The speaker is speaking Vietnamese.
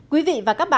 quý vị và các bạn